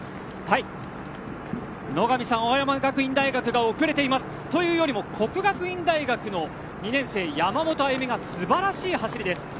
野上さん、青山学院大学が遅れています！というよりも國學院大學の２年生、山本歩夢が素晴らしい走りです。